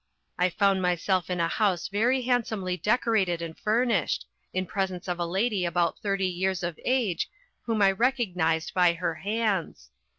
I found myself in a house very handsomely decorated and furnished, in presence of a lady about thirty years of age, whom I recognised by her hands.